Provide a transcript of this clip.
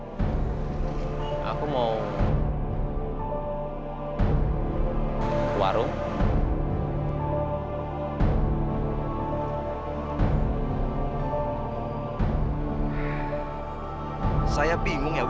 jadi sekarang saya minta procedures that aren't normal jika ikuti berhubungan malam